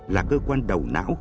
là cơ quan đầu não